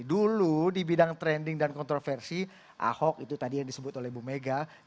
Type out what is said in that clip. dulu di bidang trending dan kontroversi ahok itu tadi yang disebut oleh bu mega